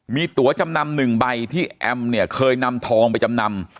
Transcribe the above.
มีตัวจำนำหนึ่งใบที่แอมเนี่ยเคยนำทองไปจำนำ